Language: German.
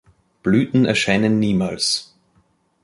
Blüten erscheinen niemals.